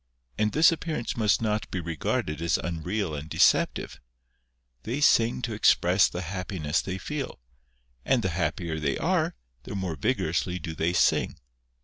And this appearance must not be regarded as unreal and deceptive. They PANEGYRIC OF BIRDS. 145 sing to express the happiness they feel, and the happier they are, the more vigorously do they sing.